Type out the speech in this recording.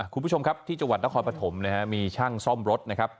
คุณผู้ชมครับที่จังหวัดนครปฐมนะฮะมีช่างซ่อมรถนะครับ